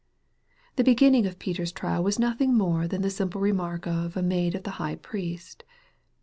The beginning of Peter's trial was nothing more than the simple remark of " a maid of the High Priest."